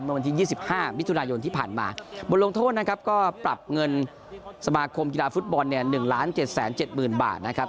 วันที่๒๕มิถุนายนที่ผ่านมาบทลงโทษนะครับก็ปรับเงินสมาคมกีฬาฟุตบอลเนี่ย๑๗๗๐๐บาทนะครับ